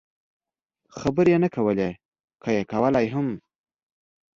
خبرې یې نه کولې، که یې کولای هم.